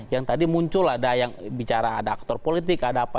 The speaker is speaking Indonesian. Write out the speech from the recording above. yang tadi muncul ada yang bicara ada aktor politik ada apa